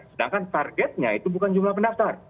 sedangkan targetnya itu bukan jumlah pendaftar